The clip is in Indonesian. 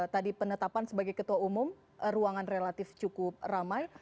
tadi penetapan sebagai ketua umum ruangan relatif cukup ramai